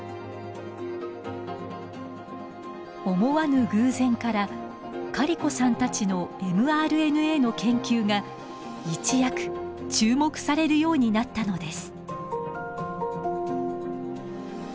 思わぬ偶然からカリコさんたちのｍＲＮＡの研究が一躍注目されるようになったのです。